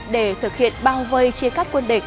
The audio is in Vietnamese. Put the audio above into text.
để thực hiện bao vây chia cắt quân địch